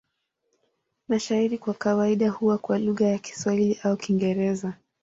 Mashairi kwa kawaida huwa kwa lugha ya Kiswahili au Kiingereza.